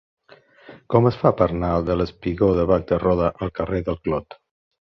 Com es fa per anar del espigó de Bac de Roda al carrer del Clot?